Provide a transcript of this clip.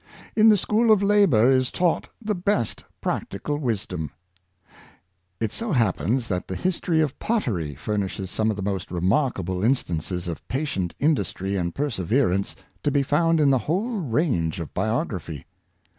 In the school of labor is taught the best practical wisdom. It so happens that the history of Pottery furnishes some of the most remarkable instances of patient in dustry and perseverance to be found in the whole range of biography.